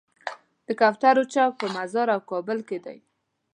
د کوترو چوک په مزار او کابل کې دی.